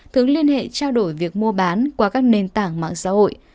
thường liên hệ trao đổi việc mua bán qua các nền tảng mạng xã hội